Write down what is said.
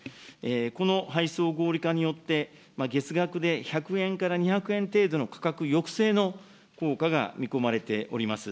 この配送合理化によって、月額で１００円から２００円程度の価格抑制の効果が見込まれております。